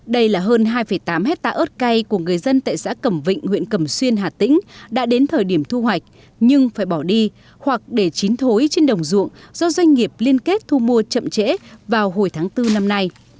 đây là hơn hai tám hectare ớt cay của người dân tại xã cẩm vịnh huyện cầm xuyên hà tĩnh đã đến thời điểm thu hoạch nhưng phải bỏ đi hoặc để chín thối trên đồng ruộng do doanh nghiệp liên kết thu mua chậm trễ vào hồi tháng bốn năm nay